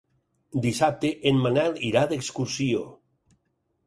Dissabte en Manel irà d'excursió.